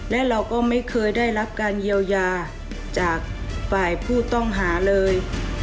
และเราก็ไม่เคยได้รับการเยียวยาจากฝ่ายผู้ต้องหาเลย